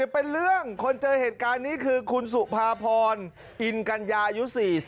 เป็นเรื่องคนเจอเหตุการณ์นี้คือคุณสุภาพรอินกัญญาอายุ๔๐